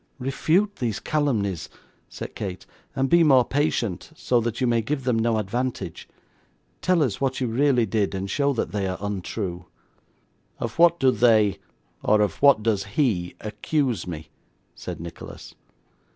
'Refute these calumnies,' said Kate, 'and be more patient, so that you may give them no advantage. Tell us what you really did, and show that they are untrue.' 'Of what do they or of what does he accuse me?' said Nicholas.